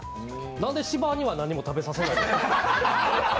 なんで芝には何も食べさせないの？